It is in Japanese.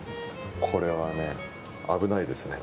これは危ないですね。